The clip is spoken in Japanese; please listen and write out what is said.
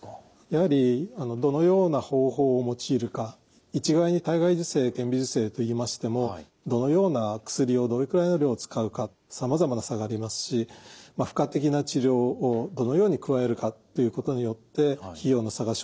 やはりどのような方法を用いるか一概に体外受精顕微授精といいましてもどのような薬をどれくらいの量を使うかさまざまな差がありますし付加的な治療をどのように加えるかということによって費用の差が生じます。